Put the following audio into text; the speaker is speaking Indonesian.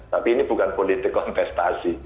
tapi ini bukan politik kontestasi